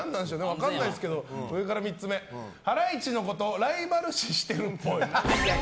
分からないですけど上から３つ目ハライチのことライバル視してるっぽい。